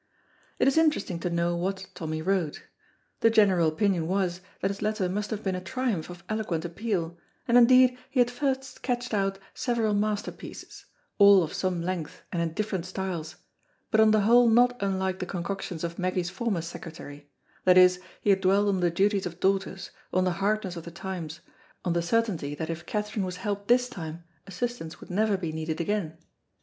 It is interesting to know what Tommy wrote. The general opinion was that his letter must have been a triumph of eloquent appeal, and indeed he had first sketched out several masterpieces, all of some length and in different styles, but on the whole not unlike the concoctions of Meggy's former secretary; that is, he had dwelt on the duties of daughters, on the hardness of the times, on the certainty that if Katherine helped this time assistance would never be needed again.